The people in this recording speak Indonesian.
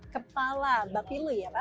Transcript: kepala bapilu ya pak